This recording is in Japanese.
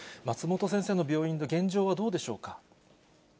松本先生の病院で、現状はどうでしょうか。